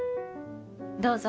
どうぞ。